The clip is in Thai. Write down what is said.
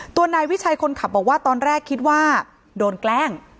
นายวิชัยคนขับบอกว่าตอนแรกคิดว่าโดนแกล้ง